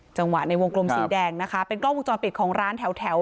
จังหวะในวงกลมสีแดงนะคะเป็นกล้องวงจรปิดของร้านแถวแถว